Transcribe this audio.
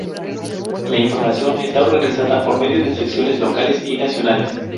La información está organizada por medio de secciones locales y nacionales.